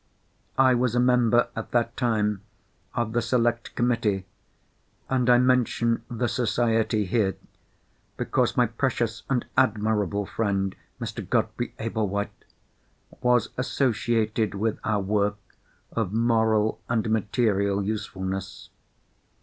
I was a member, at that time, of the select committee; and I mention the Society here, because my precious and admirable friend, Mr. Godfrey Ablewhite, was associated with our work of moral and material usefulness.